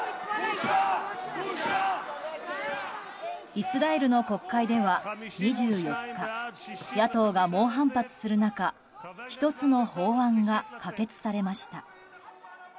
イスラエルの国会では２４日野党が猛反発する中１つの法案が可決されました。